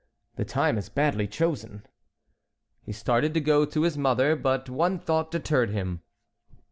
The time is badly chosen." He started to go to his mother, but one thought deterred him.